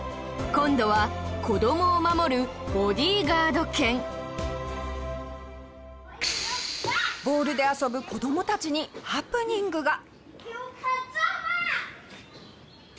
今度は、子どもを守るボディーガード犬下平：ボールで遊ぶ子どもたちにハプニングが。